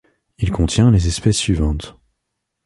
Il contient les espèces suivantes.